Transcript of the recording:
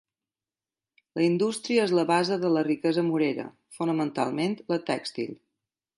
La indústria és la base de la riquesa murera, fonamentalment la tèxtil.